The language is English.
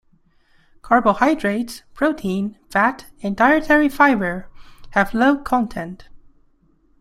Carbohydrates, protein, fat and dietary fiber have low content.